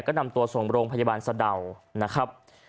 ก็นำตัดส่งโรงพยาบาลสระเดา